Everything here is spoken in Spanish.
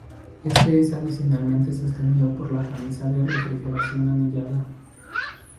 Este es adicionalmente sostenido por la camisa de refrigeración anillada.